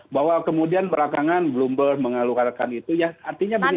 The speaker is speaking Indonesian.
bahwa kemudian perakangan bloomberg mengalurkan itu ya artinya begini sesuai